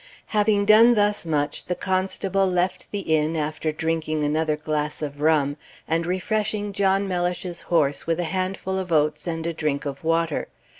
Having done thus much, the constable left the inn, after drinking another glass of rum, and refreshing John Mellish's horse with a handful of oats and a drink of water.